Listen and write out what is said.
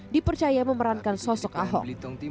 dipercaya memerankan sosok ahok